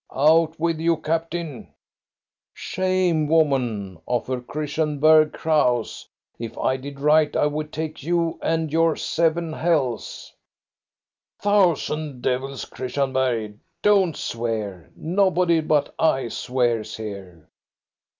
" Out with you, captain !" "Shame, woman! Offer Christian Bergh crows! If I did right I would take you and your seven hell's —"" Thousand devils, Christian Bergh! don't swear. Nobody but I swears here.